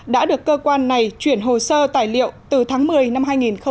đã được cơ quan này chuyển hồ sơ tài liệu từ tháng một mươi năm hai nghìn một mươi chín